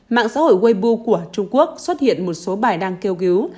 mạng xã hội waibo của trung quốc xuất hiện một số bài đăng kêu cứu